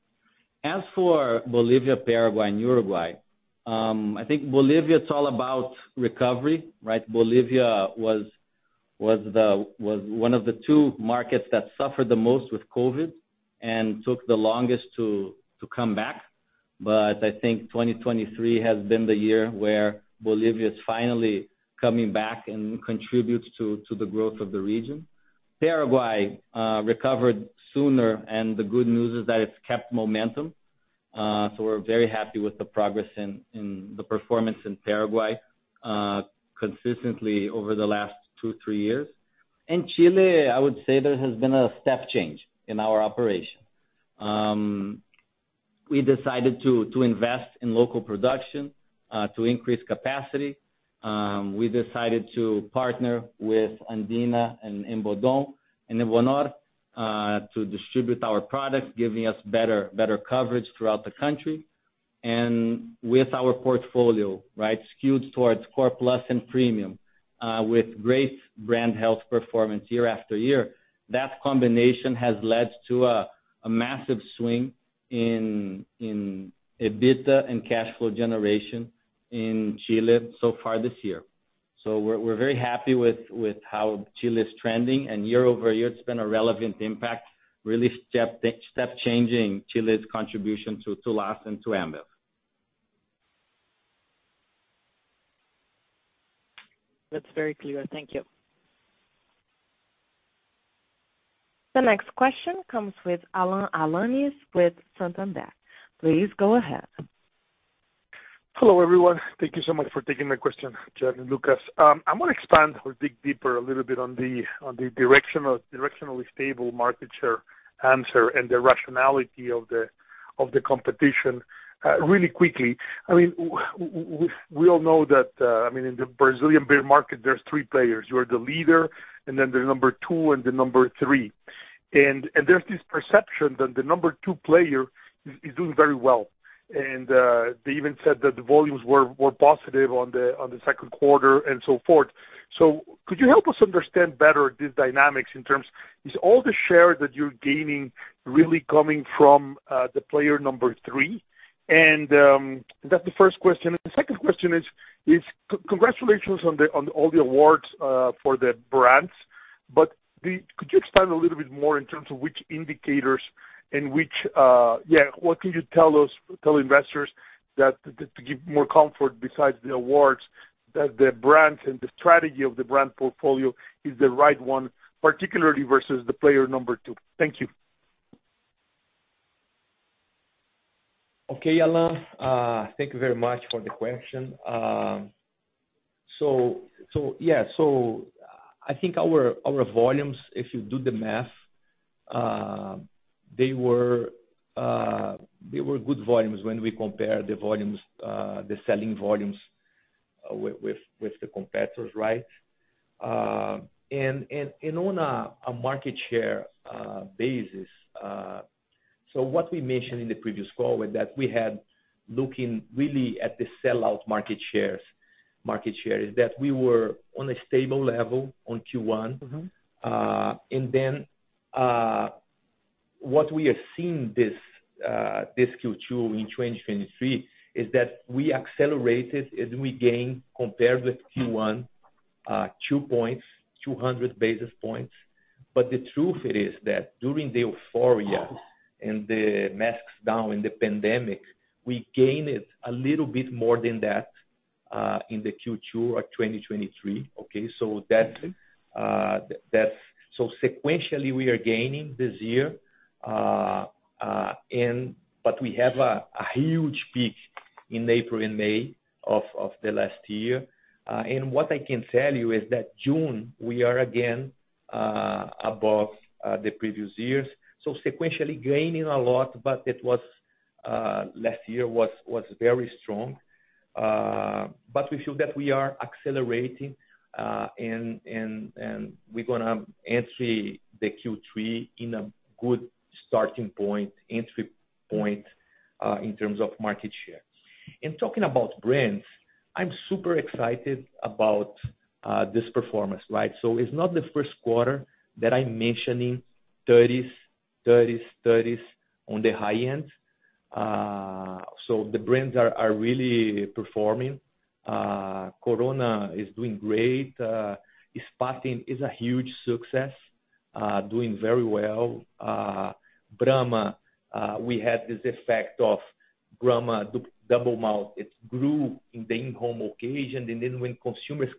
For Bolivia, Paraguay, and Uruguay, I think Bolivia, it's all about recovery, right? Bolivia was one of the two markets that suffered the most with COVID and took the longest to come back. I think 2023 has been the year where Bolivia is finally coming back and contributes to the growth of the region. Paraguay recovered sooner, the good news is that it's kept momentum. We're very happy with the progress in the performance in Paraguay consistently over the last two, three years. Chile, I would say there has been a step change in our operation. We decided to invest in local production to increase capacity. We decided to partner with Andina and Embotelladora to distribute our products, giving us better coverage throughout the country. With our portfolio, right, skewed towards core plus and premium, with great brand health performance year after year, that combination has led to a, a massive swing in, in EBITDA and cash flow generation in Chile so far this year. We're, we're very happy with, with how Chile is trending, and year-over-year, it's been a relevant impact, really step, step changing Chile's contribution to, to LAS and to Ambev. That's very clear. Thank you. The next question comes with Alan Alanis, with Santander. Please go ahead. Hello, everyone. Thank you so much for taking my question, Jean and Lucas. I want to expand or dig deeper a little bit on the, on the directional, directionally stable market share answer and the rationality of the, of the competition, really quickly. I mean, we all know that, I mean, in the Brazilian beer market, there's three players. You are the leader, then the number two and the number three. There's this perception that the number two player is doing very well. They even said that the volumes were positive on the, on the second quarter and so forth. Could you help us understand better these dynamics in terms, is all the share that you're gaining really coming from the player number three? That's the first question. The second question is, congratulations on the, on all the awards for the brands. Could you expand a little bit more in terms of which indicators and which, what can you tell us, tell investors that, to, to give more comfort besides the awards, that the brands and the strategy of the brand portfolio is the right one, particularly versus the player number two? Thank you. Okay, Alan, thank you very much for the question. So yeah, so I think our, our volumes, if you do the math, they were, they were good volumes when we compare the volumes, the selling volumes with, with, with the competitors, right? And, and on a market share basis, so what we mentioned in the previous call was that we had looking really at the sellout market shares, market share, is that we were on a stable level on Q1. Mm-hmm. What we are seeing this, this Q2 in 2023, is that we accelerated and we gained compared with Q1, 2 points, 200 basis points. The truth is that during the euphoria and the masks down in the pandemic, we gained a little bit more than that, in the Q2 of 2023, okay? Sequentially, we are gaining this year, and but we have a, a huge peak in April and May of, of the last year. What I can tell you is that June, we are again, above, the previous years, so sequentially gaining a lot, but it was, last year was, was very strong. We feel that we are accelerating, and, and, and we're gonna enter the Q3 in a good starting point, entry point, in terms of market share. Talking about brands, I'm super excited about this performance, right? It's not the first quarter that I'm mentioning 30s, 30s, 30s on the high end. The brands are, are really performing. Corona is doing great. Spaten is a huge success, doing very well. Brahma, we had this effect of Brahma Duplo Malte. It grew in the in-home occasion, and then when consumers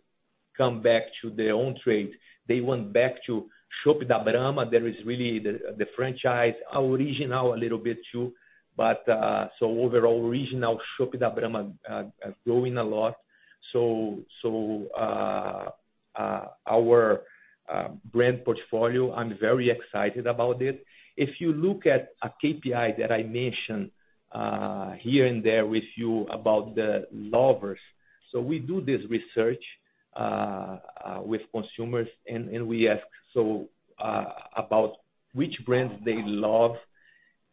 come back to their own trade, they went back to Brahma. There is really the, the franchise, our regional a little bit too. Overall, regional Brahma, growing a lot. Our brand portfolio, I'm very excited about it. If you look at a KPI that I mentioned here and there with you about the lovers. We do this research with consumers and, and we ask so about which brands they love,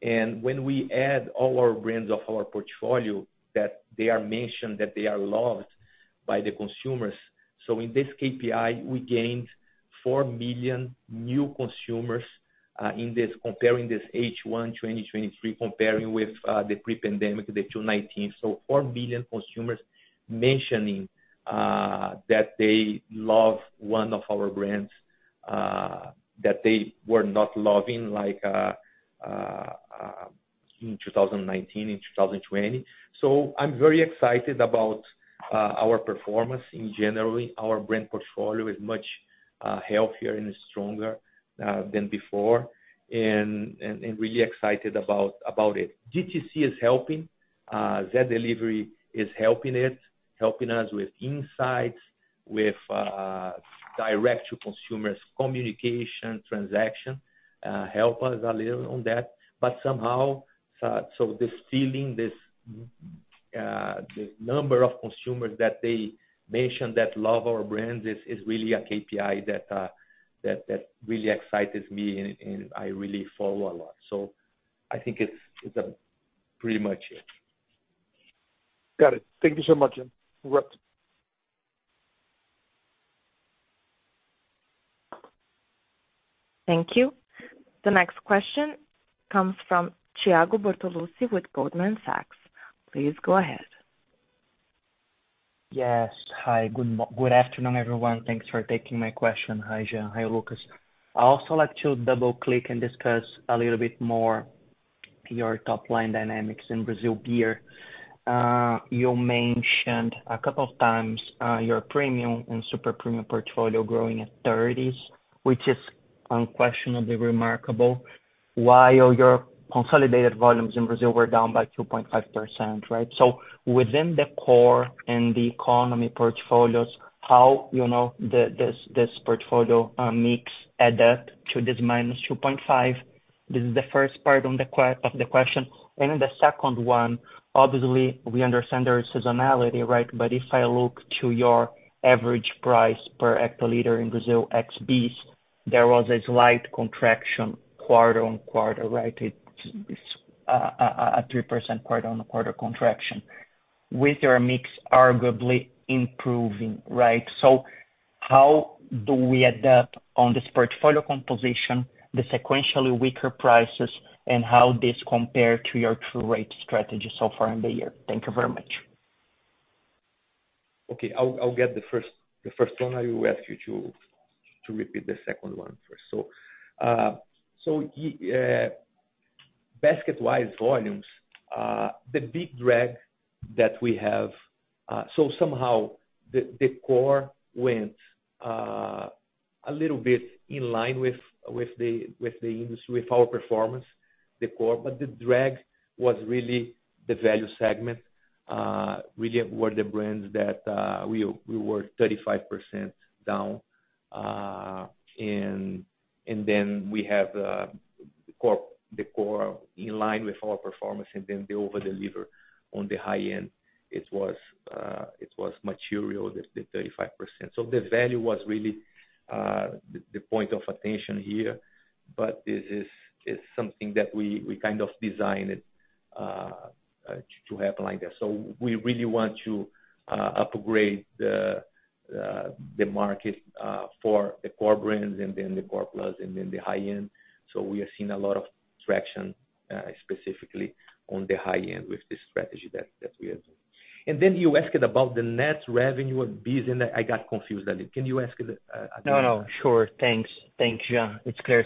and when we add all our brands of our portfolio, that they are mentioned, that they are loved by the consumers. In this KPI, we gained 4 million new consumers in this comparing this H1, 2023 comparing with the pre-pandemic, the 2019. 4 million consumers mentioning that they love one of our brands that they were not loving, like in 2019, in 2020. I'm very excited about our performance. In generally, our brand portfolio is much healthier and stronger than before, and, and, and really excited about it. G2C is helping, Zé Delivery is helping it, helping us with insights, with, direct to consumers, communication, transaction, help us a little on that. Somehow, so the feeling, this, the number of consumers that they mention that love our brands is, is really a KPI that, that, that really excites me and, and I really follow a lot. I think it's, it's, pretty much it. Got it. Thank you so much, and we're up. Thank you. The next question comes from Thiago Bortoluci with Goldman Sachs. Please go ahead. Yes. Hi, good afternoon, everyone. Thanks for taking my question. Hi, Jean. Hi, Lucas. I'd also like to double click and discuss a little bit more your top line dynamics in Brazil Beer. You mentioned a couple of times, your premium and super premium portfolio growing at 30s, which is unquestionably remarkable, while your consolidated volumes in Brazil were down by 2.5%, right? Within the core and the economy portfolios, how, you know, this portfolio mix adapt to this -2.5? This is the first part of the question. The second one, obviously, we understand there is seasonality, right? If I look to your BRL average price per hectoliter in Brazil, XBs, there was a slight contraction, quarter-on-quarter, right? It's a 3% quarter-on-quarter contraction with your mix arguably improving, right? How do we adapt on this portfolio composition, the sequentially weaker prices, and how this compare to your true rate strategy so far in the year? Thank you very much. Okay, I'll, I'll get the first, the first one. I will ask you to repeat the second one first. So, basket wise volumes, the big drag that we have, so somehow the core went a little bit in line with the industry, with our performance, the core, but the drag was really the value segment, really were the brands that we were 35% down. And then we have the core, the core in line with our performance, and then the over-deliver on the high end. It was, it was material, the 35%. The value was really the point of attention here, but this is, it's something that we kind of designed it to happen like that. We really want to upgrade the market for the core brands and then the core plus, and then the high end. We are seeing a lot of traction, specifically on the high end with the strategy that, that we have. You asked about the net revenue and business, I got confused a little. Can you ask it again? No, no. Sure. Thanks. Thanks, Jean. It's clear.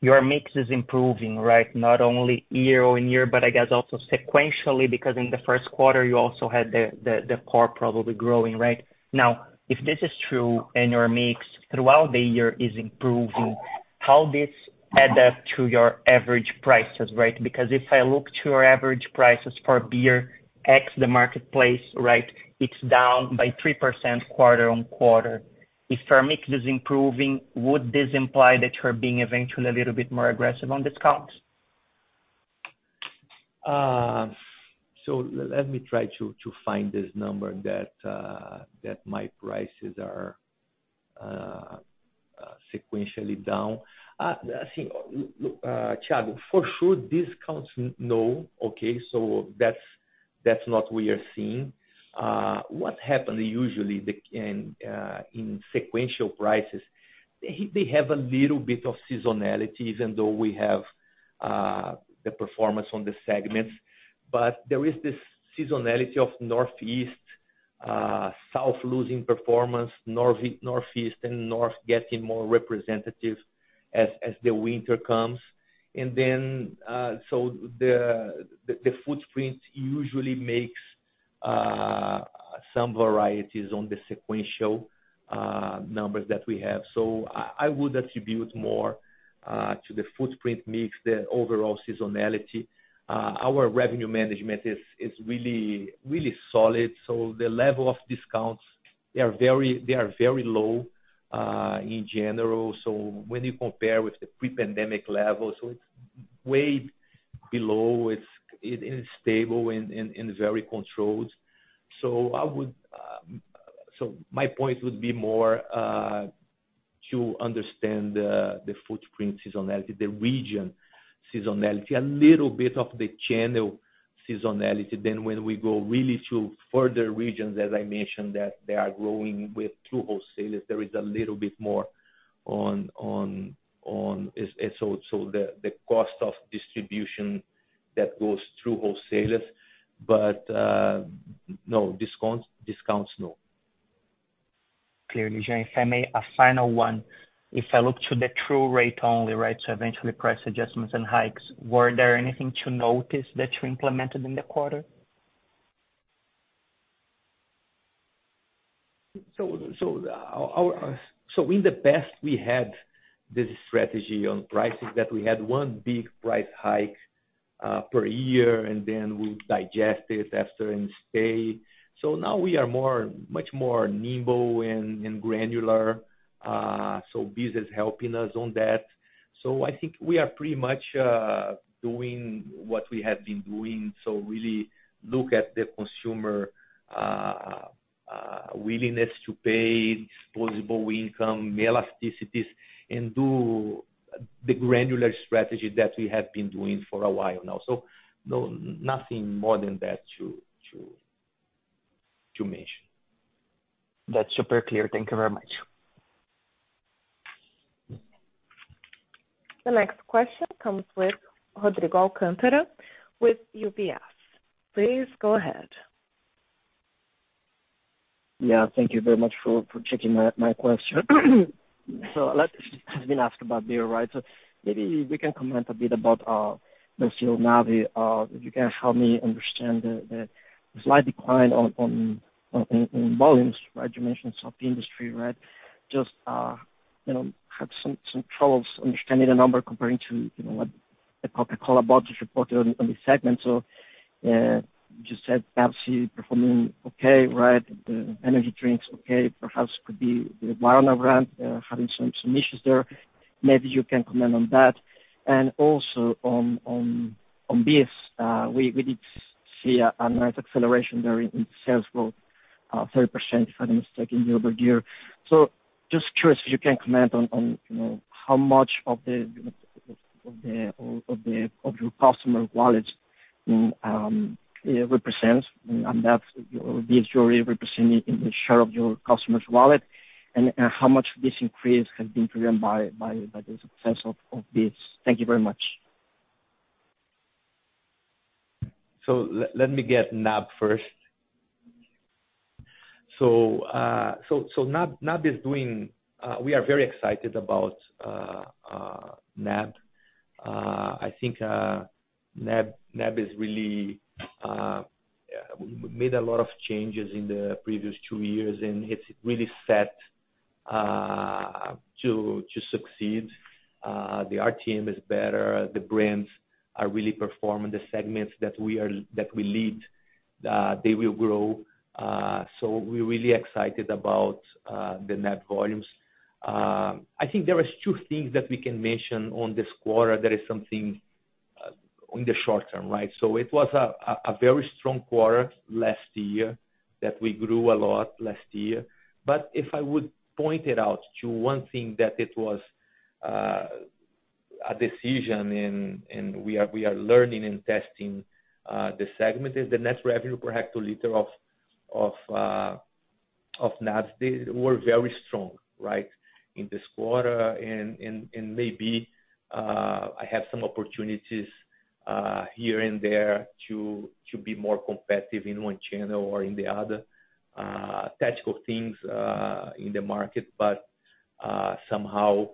Your mix is improving, right? Not only year-over-year, but I guess also sequentially, because in the first quarter, you also had the, the, the core probably growing, right? If this is true and your mix throughout the year is improving, how this add up to your average prices, right? If I look to your average prices for beer, X the marketplace, right, it's down by 3% quarter-on-quarter. If your mix is improving, would this imply that you're being eventually a little bit more aggressive on discounts? Let me try to, to find this number that, that my prices are, sequentially down. I think, look, Thiago, for sure, discounts, no. Okay, so that's, that's not we are seeing. What happened usually the in, in sequential prices, they, they have a little bit of seasonality, even though we have, the performance on the segments. There is this seasonality of Northeast, South losing performance, Northeast and North getting more representative as, as the winter comes. The, the, the footprint usually makes, some varieties on the sequential, numbers that we have. I, I would attribute more, to the footprint mix, the overall seasonality. Our revenue management is, is really, really solid, so the level of discounts, they are very-- they are very low, in general. When you compare with the pre-pandemic level, it's way below, it is stable and very controlled. My point would be more to understand the footprint seasonality, the region seasonality, a little bit of the channel seasonality. When we go really to further regions, as I mentioned, that they are growing with through wholesalers, there is a little bit more on. It's also the cost of distribution that goes through wholesalers. No, discounts, discounts, no. Clearly, Jean. If I may, a final one: If I look to the true rate only, right, so eventually price adjustments and hikes, were there anything to notice that you implemented in the quarter? In the past, we had this strategy on prices that we had one big price hike per year and then we would digest it after and stay. Now we are more, much more nimble and granular. Business helping us on that. I think we are pretty much doing what we have been doing. Really look at the consumer willingness to pay, disposable income, elasticities, and do the granular strategy that we have been doing for a while now. No, nothing more than that to mention. That's super clear. Thank you very much. The next question comes with Rodrigo Alcantara with UBS. Please go ahead. Yeah, thank you very much for, for taking my, my question. A lot has been asked about beer, right? Maybe we can comment a bit about the NAB, if you can help me understand the slight decline in volumes, right? You mentioned of the industry, right? Just, you know, have some troubles understanding the number comparing to, you know, what the Coca-Cola bottles reported on the segment. Just said, Pepsi performing okay, right? The energy drinks, okay. Perhaps could be the Guaraná brand having some issues there. Maybe you can comment on that. Als`o on beers, we did see a nice acceleration there in sales growth, 30%, if I'm not mistaken, year-over-year. Just curious if you can comment on, on, you know, how much of your customer wallets it represents, and beers really representing in the share of your customers' wallet, and how much this increase has been driven by the success of this? Thank you very much. Let me get NAB first. NAB, NAB is doing, we are very excited about NAB. I think NAB, NAB is really... We made a lot of changes in the previous two years, and it's really set to succeed. The RTM is better. The brands are really performing. The segments that we lead, they will grow. We're really excited about the net volumes. I think there is two things that we can mention on this quarter. There is something on the short term, right? It was a very strong quarter last year, that we grew a lot last year. If I would point it out to one thing that it was a decision and, and we are, we are learning and testing the segment, is the net revenue per hectoliter of NABs. They were very strong, right, in this quarter. Maybe I have some opportunities here and there to be more competitive in one channel or in the other, tactical things in the market. Somehow,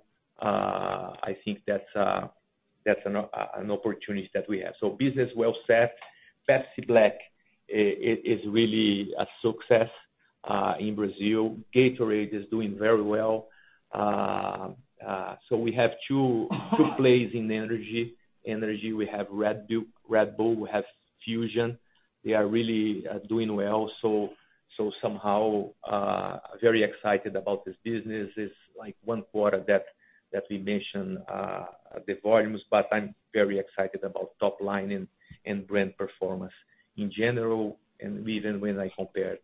I think that's an opportunity that we have. Business well set. Pepsi Black is really a success in Brazil. Gatorade is doing very well. We have two, two plays in the energy. Energy, we have Red Bull, Red Bull, we have Fusion. They are really doing well. Somehow, very excited about this business. It's like one quarter that, that we mentioned, the volumes, but I'm very excited about top line and, and brand performance in general and even when I compare it,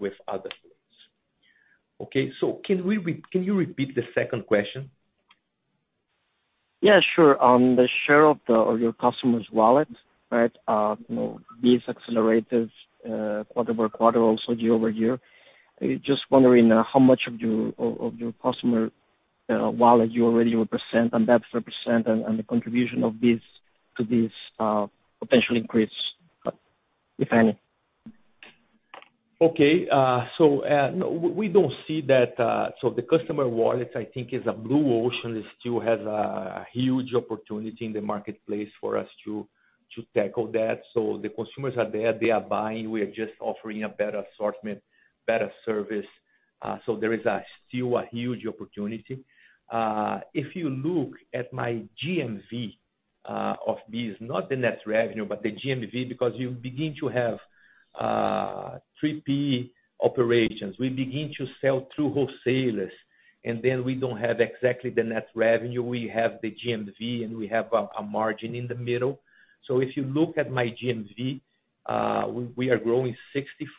with other things. Okay, can you repeat the second question? Yeah, sure. On the share of the, of your customers' wallet, right, you know, these accelerators, quarter-over-quarter, also year-over-year. Just wondering, how much of your, of, of your customer, wallet you already represent, and that represent, and, and the contribution of this to this, potential increase, if any? Okay. No, we don't see that. The customer wallet, I think, is a blue ocean. It still has a huge opportunity in the marketplace for us to tackle that. The consumers are there, they are buying. We are just offering a better assortment, better service, there is still a huge opportunity. If you look at my GMV of these, not the net revenue, but the GMV, because you begin to have 3P operations. We begin to sell through wholesalers, and then we don't have exactly the net revenue. We have the GMV, and we have a margin in the middle. If you look at my GMV, we are growing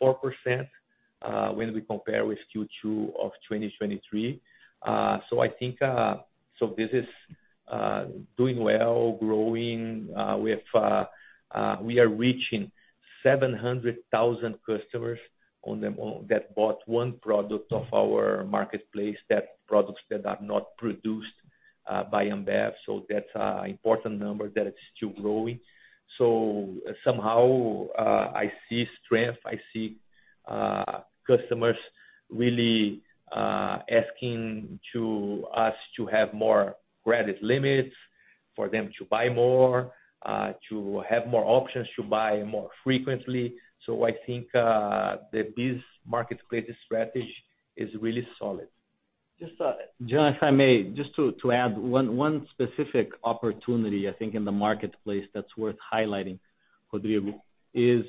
64% when we compare with Q2 of 2023. I think, so this is doing well, growing. We have, we are reaching 700,000 customers on them, that bought one product of our marketplace, that products that are not produced by Ambev. That's an important number that is still growing. Somehow, I see strength, I see customers really asking to us to have more credit limits for them to buy more, to have more options to buy more frequently. I think that this marketplace strategy is really solid. Just, John, if I may, just to, to add one, one specific opportunity, I think, in the marketplace that's worth highlighting, Rodrigo, is.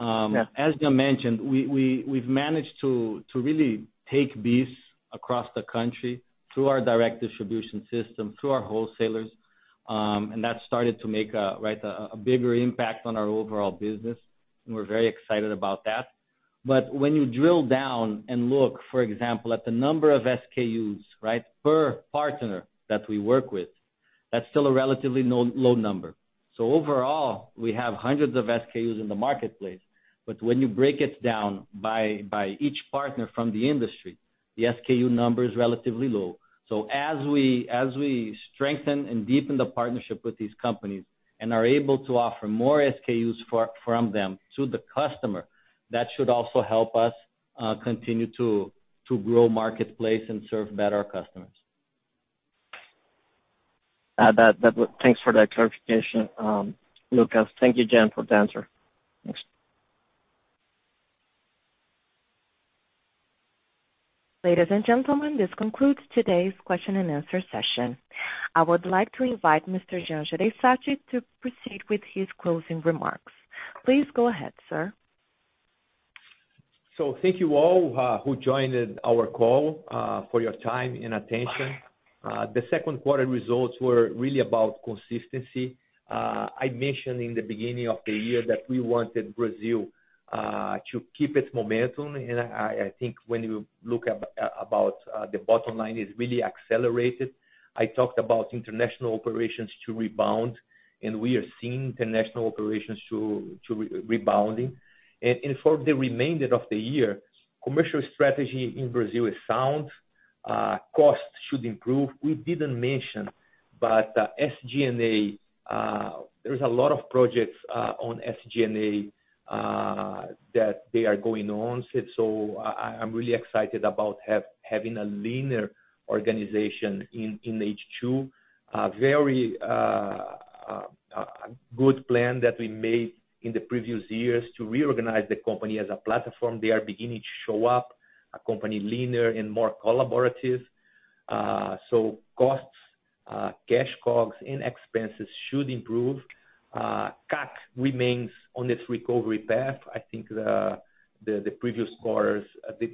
Yeah. As John mentioned, we've managed to really take these across the country through our direct distribution system, through our wholesalers, and that started to make a bigger impact on our overall business, and we're very excited about that. When you drill down and look, for example, at the number of SKUs, right, per partner that we work with, that's still a relatively low, low number. Overall, we have hundreds of SKUs in the marketplace, but when you break it down by each partner from the industry, the SKU number is relatively low. As we strengthen and deepen the partnership with these companies and are able to offer more SKUs from them to the customer, that should also help us continue to grow marketplace and serve better our customers. Thanks for that clarification, Lucas. Thank you, John, for the answer. Thanks. Ladies and gentlemen, this concludes today's question and answer session. I would like to invite Mr. Jean Jereissati to proceed with his closing remarks. Please go ahead, sir. Thank you all who joined our call for your time and attention. The second quarter results were really about consistency. I mentioned in the beginning of the year that we wanted Brazil to keep its momentum, and I, I think when you look at about the bottom line is really accelerated. I talked about international operations to rebound, and we are seeing international operations to, to rebounding. For the remainder of the year, commercial strategy in Brazil is sound. Costs should improve. We didn't mention, but SG&A, there's a lot of projects on SG&A that they are going on. I, I'm really excited about having a leaner organization in H2. Very, a good plan that we made in the previous years to reorganize the company as a platform. They are beginning to show up, a company leaner and more collaborative. costs, Cash COGS and expenses should improve. CAC remains on its recovery path. I think the, the, the previous quarters, the,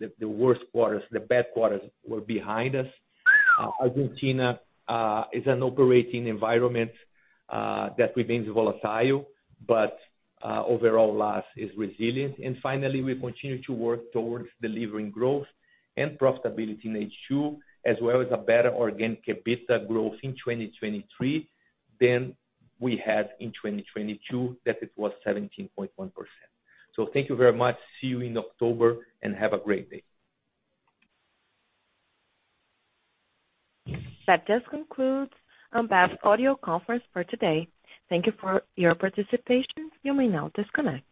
the, the worst quarters, the bad quarters were behind us. Argentina is an operating environment that remains volatile, but overall LAS is resilient. Finally, we continue to work towards delivering growth and profitability in H2, as well as a better organic CapEx growth in 2023 than we had in 2022, that it was 17.1%. Thank you very much. See you in October, and have a great day. That just concludes Ambev's audio conference for today. Thank you for your participation. You may now disconnect.